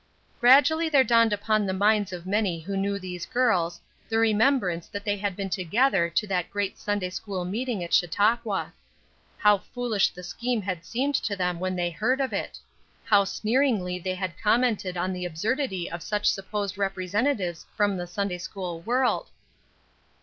Gradually there dawned upon the minds of many who knew these girls, the remembrance that they had been together to that great Sunday school meeting at Chautauqua. How foolish the scheme had seemed to them when they heard of it; how sneeringly they had commented on the absurdity of such supposed representatives from the Sunday school world.